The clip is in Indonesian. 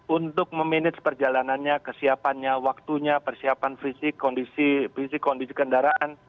untuk memanage perjalanannya kesiapannya waktunya persiapan fisik kondisi kendaraan